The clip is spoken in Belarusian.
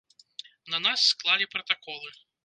На нас склалі пратаколы.